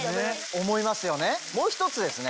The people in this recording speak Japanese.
思いますよね？